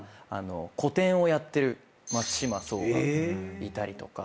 個展をやってる松島聡がいたりとか。